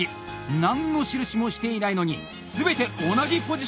何の印もしていないのに全て同じポジションだ！